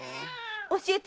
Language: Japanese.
教えて。